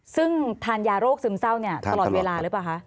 ซึ่งทานยาโรคซึมเศร้าเนี่ยตลอดเวลาหรือเปล่าคะ